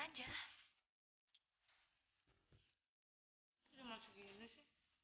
uangnya udah masuk gini sih